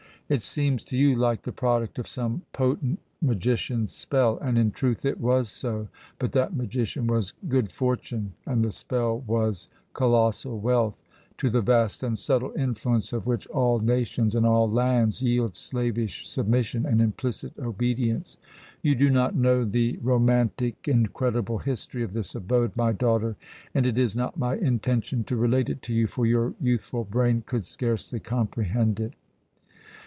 It seems to you like the product of some potent magician's spell and, in truth, it was so, but that magician was good fortune and the spell was colossal wealth, to the vast and subtle influence of which all nations and all lands yield slavish submission and implicit obedience! You do not know the romantic, incredible history of this abode, my daughter, and it is not my intention to relate it to you, for your youthful brain could scarcely comprehend it.